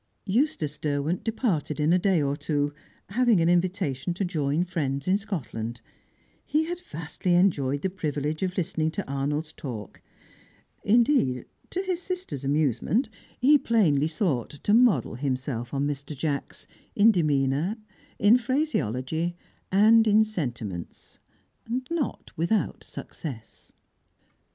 Eustace Derwent departed in a day or two, having an invitation to join friends in Scotland. He had vastly enjoyed the privilege of listening to Arnold's talk. Indeed to his sister's amusement, he plainly sought to model himself on Mr. Jacks, in demeanour, in phraseology, and in sentiments; not without success.